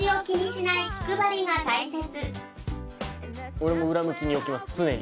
俺も裏向きに置きます常に。